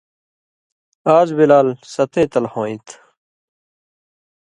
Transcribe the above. آز بِلال ستَئیں تل ہُوئینت۔